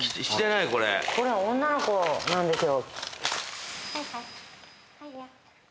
これ女の子なんですよ。